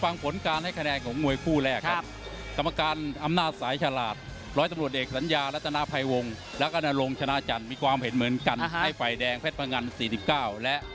น้ำเงินเกิดชัยใหม่หรือเปล่า